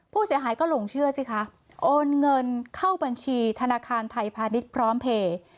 ผู้เสียหายก็หลงเชื่อสิคะโอนเงินเข้าบัญชีธนาคารไทยพาณิชย์พร้อมเพลย์